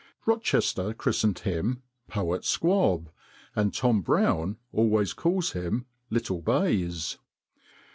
Rochester christened him 'Poet Squab,' and Tom Brown always calls him 'Little Bayes.